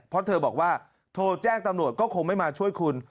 เพราะเธอบอกว่าโทรแจ้งตำรวจก็คงไม่มาช่วยคุณ